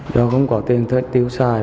do không có tiền thuếch tiêu xài